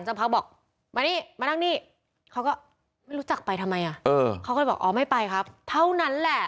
พักบอกมานี่มานั่งนี่เขาก็ไม่รู้จักไปทำไมอ่ะเออเขาก็เลยบอกอ๋อไม่ไปครับเท่านั้นแหละ